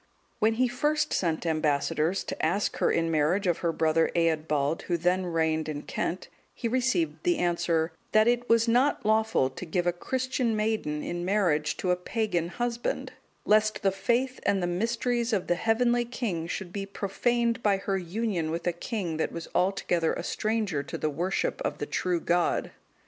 When he first sent ambassadors to ask her in marriage of her brother Eadbald, who then reigned in Kent, he received the answer, "That it was not lawful to give a Christian maiden in marriage to a pagan husband, lest the faith and the mysteries of the heavenly King should be profaned by her union with a king that was altogether a stranger to the worship of the true God."